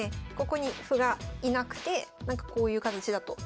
ここに歩が居なくてこういう形だと。